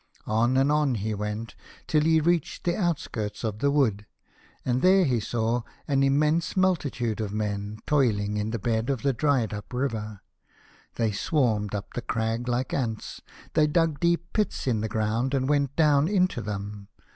On and on he went, till he reached the out skirts of the wood, and there he saw an immense multitude of men toiling in the bed of a dried up river. They swarmed up the crag like ants. They dug deep pits in the ground and went down into them.